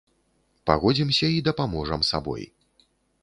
Пагодзімся і дапаможам сабой.